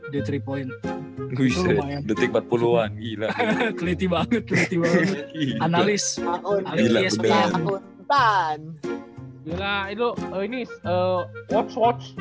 di tripoin gede empat puluh an gila kleti banget kleti analis analis